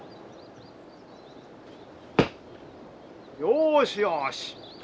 よしよし。